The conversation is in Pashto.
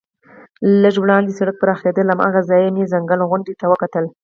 لږ وړاندې سړک پراخېده، له هماغه ځایه مې ځنګل او غونډۍ ته وکتل.